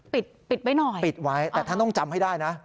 ปิดปิดไว้หน่อยปิดไว้แต่ท่านต้องจำให้ได้นะ